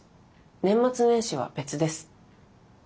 年末年始は別です。